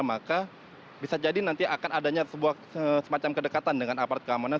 maka bisa jadi nanti akan adanya sebuah semacam kedekatan dengan aparat keamanan